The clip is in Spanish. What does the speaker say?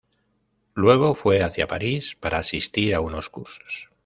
Luego fue hacia París para asistir a unos cursos.